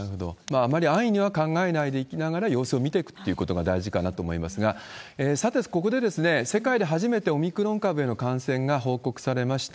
あまり安易には考えないでいきながら、様子を見ていくということが大事かなと思いますが、さて、ここで、世界で初めてオミクロン株への感染が報告されました